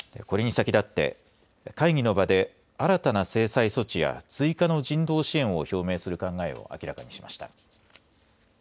これに先立って会議の場で新たな制裁措置や追加の人道支援を表明する考えを明らかにしました。